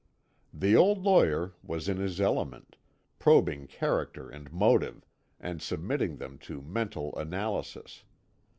The old lawyer was in his element, probing character and motive, and submitting them to mental analysis.